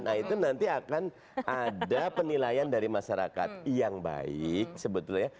nah itu nanti akan ada penilaian dari masyarakat yang baik sebetulnya